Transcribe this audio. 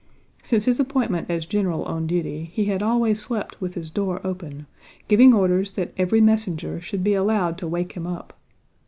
Since his appointment as general on duty he had always slept with his door open, giving orders that every messenger should be allowed to wake him up.